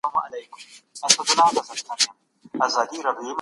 تاسي باید هره ورځ سبق ووایاست.